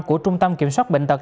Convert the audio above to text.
của trung tâm kiểm soát bệnh tật